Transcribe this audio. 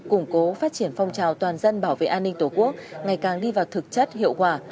củng cố phát triển phong trào toàn dân bảo vệ an ninh tổ quốc ngày càng đi vào thực chất hiệu quả